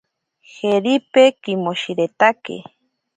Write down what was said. Jeripe kimoshiretake.